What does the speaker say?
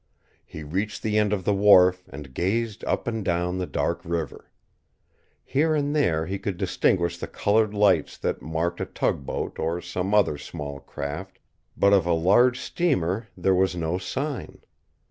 He reached the end of the wharf and gazed up and down the dark river. Here and there he could distinguish the colored lights that marked a tugboat or some other small craft, but of a large steamer there was no sign.